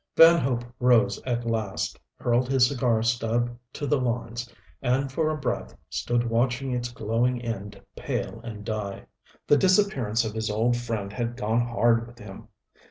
Van Hope rose at last, hurled his cigar stub to the lawns and for a breath stood watching its glowing end pale and die. The disappearance of his old friend had gone hard with him.